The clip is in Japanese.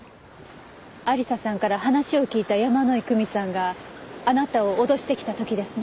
亜理紗さんから話を聞いた山井久美さんがあなたを脅してきた時ですね？